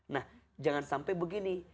nah jangan sampai begini